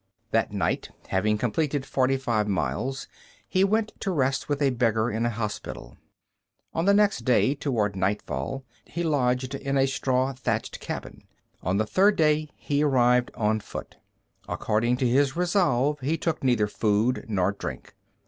That night, having completed forty five miles, he went to rest with a beggar in a hospital. On the next day toward nightfall he lodged in a straw thatched cabin. On the third day he arrived on foot. According to his resolve, he took neither food nor drink.